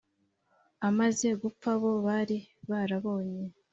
amaze gupfa bo bari barabonye